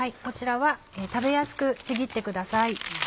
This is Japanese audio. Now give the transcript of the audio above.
こちらは食べやすくちぎってください。